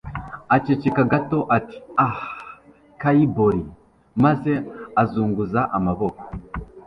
aceceka gato ati ah, kai borie, maze azunguza amaboko